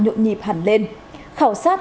nhộn nhịp hẳn lên khảo sát